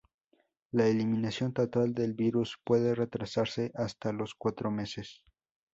La eliminación total del virus puede retrasarse hasta los cuatro meses.